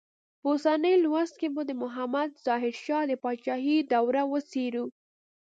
په اوسني لوست کې به د محمد ظاهر شاه د پاچاهۍ دوره وڅېړو.